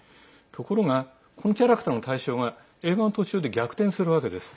ところがこのキャラクターの対照が映画の途中で逆転するわけです。